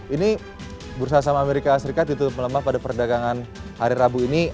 ini bursa saham as ditutup melemah pada perdagangan hari rabu ini